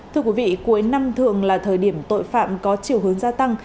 thưa quý vị cuối năm thường là thời điểm tội phạm có chiều hướng gia tăng